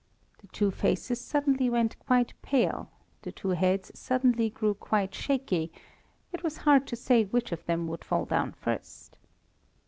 The two faces suddenly went quite pale, the two heads suddenly grew quite shaky; it was hard to say which of them would fall down first.